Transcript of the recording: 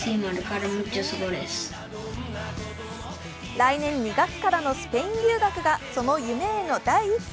来年２月からのスペイン留学が、その夢への第一歩。